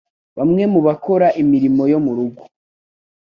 Bamwe mu bakora imirimo yo mu rugo